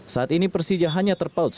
saat ini persija hanya menang juara di gbk